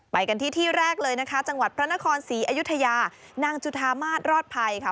ไปกันที่ที่แรกเลยนะคะจังหวัดพระนครศรีอยุธยานางจุธามาศรอดภัยค่ะ